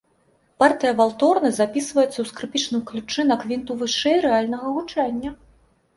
Партыя валторны запісваецца ў скрыпічным ключы на квінту вышэй рэальнага гучання.